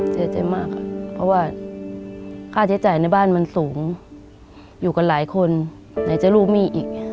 เสียใจมากเพราะว่าค่าใช้จ่ายในบ้านมันสูงอยู่กันหลายคนไหนจะลูกหนี้อีก